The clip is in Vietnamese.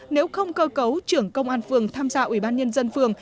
nếu không cơ cấu trưởng công an phường tham gia ủy ban nhân dân phường